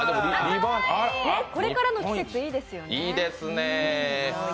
これからの季節、いいですよね。